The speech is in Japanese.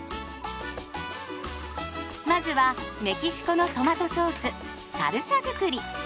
まずはメキシコのトマトソースサルサづくり。